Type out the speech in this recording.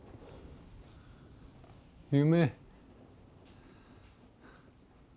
夢。